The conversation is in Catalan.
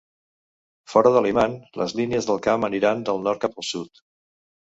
Fora de l'imant, les línies de camp aniran del nord cap al sud.